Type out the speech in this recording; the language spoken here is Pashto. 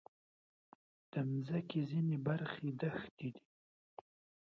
د مځکې ځینې برخې دښتې دي.